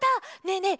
ねえねえ